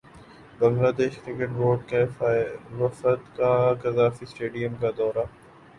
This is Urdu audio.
بنگلادیش کرکٹ بورڈ کے وفد کا قذافی اسٹیڈیم کا دورہ